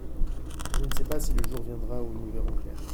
Je ne sais pas si le jour viendra où nous verrons clair ?